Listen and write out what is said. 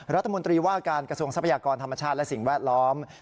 รัฐมนตรีว่าการกระทรวงทรัพยากรธรรมชาติและสิ่งแวดล้อม